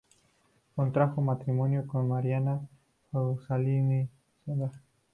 Contrajo matrimonio con Mariana Fuenzalida.